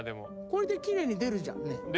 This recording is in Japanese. これで奇麗に出るじゃんね。